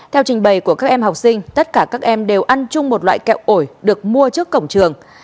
theo trình bày của các em học sinh tất cả các em đều ăn chung một loại kẹo ổi được mua trước cổng trường